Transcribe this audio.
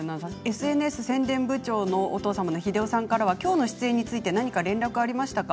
ＳＮＳ宣伝部長のお父様の英雄さんからは何かきょうの出演について連絡はありましたか？